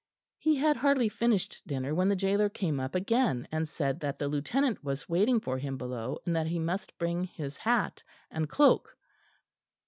He had hardly finished dinner when the gaoler came up again and said that the Lieutenant was waiting for him below, and that he must bring his hat and cloak.